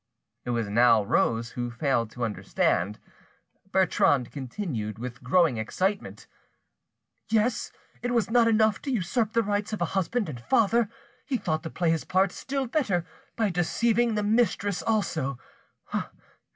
It was now Rose who failed to understand; Bertrande continued, with growing excitement— "Yes, it was not enough to usurp the rights of a husband and father, he thought to play his part still better by deceiving the mistress also